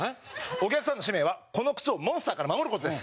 お客さんの使命はこの靴をモンスターから守る事です。